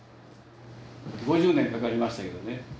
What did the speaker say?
５０年かかりましたけどね。